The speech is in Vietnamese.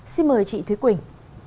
xin mời chị thúy quỳnh